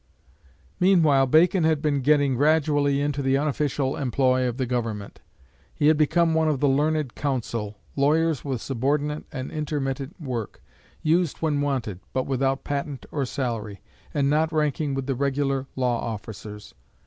Meanwhile Bacon had been getting gradually into the unofficial employ of the Government. He had become one of the "Learned Counsel" lawyers with subordinate and intermittent work, used when wanted, but without patent or salary, and not ranking with the regular law officers.